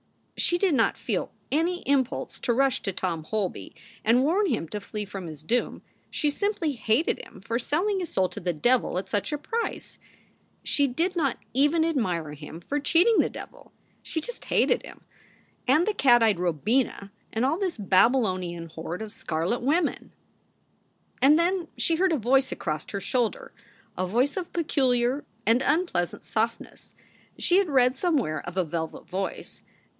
She did not feel any impulse to rush to Tom Holby and warn him to flee from his doom. She simply hated him for selling his soul to the devil at such a price. She did not even 62 SOULS FOR SALE admire him for cheating the devil. She just hated him and the cat eyed Robina and all this Babylonian horde of scarlet women. And then she heard a voice across her shoulder, a voice of peculiar and unpleasant softness. She had read somewhere of a velvet voice.